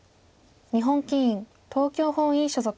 日本棋院東京本院所属。